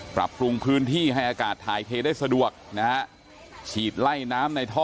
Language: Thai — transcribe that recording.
ปรับปรุงพื้นที่ให้อากาศถ่ายเทได้สะดวกนะฮะฉีดไล่น้ำในท่อ